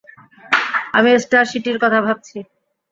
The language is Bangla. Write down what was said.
আমি স্টার সিটির কথা ভাবছি।